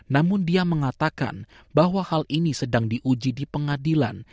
namun dia mengatakan bahwa hal ini sedang diuji di pengadilan